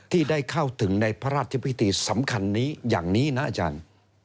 ที่ได้เข้าถึงในพระราชพิธีสำคัญนี้อย่างนี้นะอาจารย์